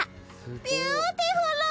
ビューティフル！